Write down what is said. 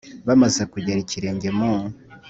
bamaze kugera ikirenge mu,